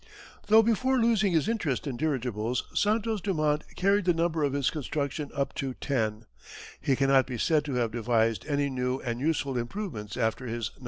Though before losing his interest in dirigibles Santos Dumont carried the number of his construction up to ten, he cannot be said to have devised any new and useful improvements after his "No.